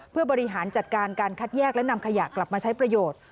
เพื่อบริหารจัดการการคัดแยกและนำขยะกลับมาใช้ประโยชน์